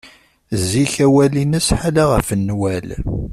Zik awal-ines ḥala ɣef nnwal.